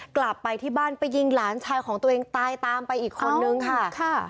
กลับไปที่บ้านไปยิงหลานชายของตัวเองตายตามไปอีกคนนึงค่ะ